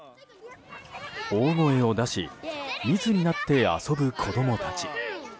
大声を出し密になって遊ぶ子供たち。